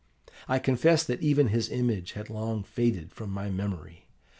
I confess that even his image had long faded from my memory.